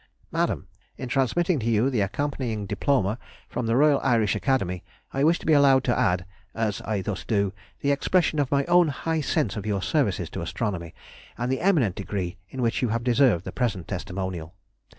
"MADAM,— "In transmitting to you the accompanying Diploma from the Royal Irish Academy, I wish to be allowed to add, as I thus do, the expression of my own high sense of your services to Astronomy, and of the eminent degree in which you have deserved the present testimonial.